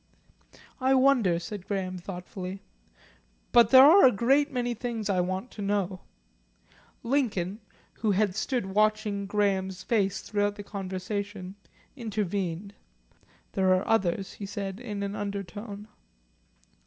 "I wonder," said Graham thoughtfully. "But there are a great many things I want to know." Lincoln, who had stood watching Graham's face throughout the conversation, intervened. "There are others," he said in an undertone.